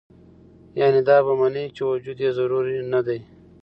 يعني دا به مني چې وجود ئې ضروري نۀ دے